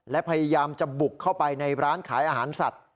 และพยายามจะบุกเข้าไปในร้านขายอาหารสัตว์